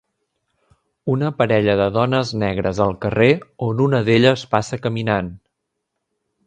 Una parella de dones negres al carrer on una d'elles passa caminant.